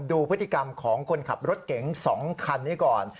ดูพฤติกรรมของคนขับรถเก๋งสองคันดีกว่านี้ก่อน